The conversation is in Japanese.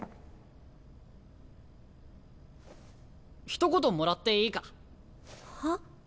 ひと言もらっていいか？は？